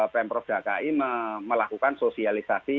pemprov dki melakukan sosialisasi